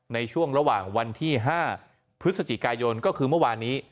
ในช่วงระหว่างวันที่๕พฤศจิกายนก็คือเมื่อวานนี้